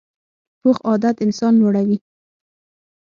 پوخ عادت انسان لوړوي